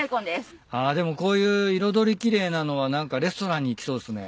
あでもこういう彩り奇麗なのは何かレストランに行きそうですね。